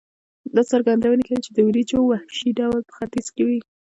دا څرګندونه کوي چې د وریجو وحشي ډول په ختیځ کې وې.